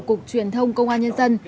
cục truyền thông công an nhân dân